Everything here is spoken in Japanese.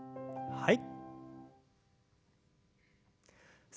はい。